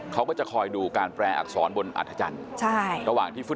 เขาก็จะคอยดูการแปลอักษรบนอัธจันทร์ระหว่างที่ฟุ